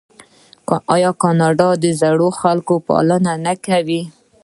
آیا کاناډا د زړو خلکو پالنه نه کوي؟